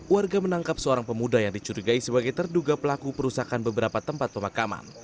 warga menangkap seorang pemuda yang dicurigai sebagai terduga pelaku perusakan beberapa tempat pemakaman